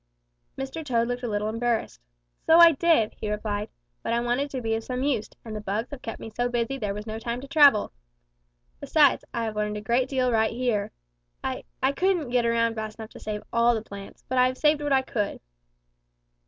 "Mr. Toad looked a little embarrassed. 'So I did,' he replied, 'but I wanted to be of some use, and the bugs have kept me so busy there was no time to travel. Besides, I have learned a great deal right here. I I couldn't get around fast enough to save all the plants, but I have saved what I could.'